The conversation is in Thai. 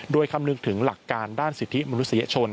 โดยคำนึงถึงหลักการด้านสิทธิมนุษยชน